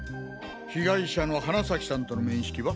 被害者の花崎さんとの面識は？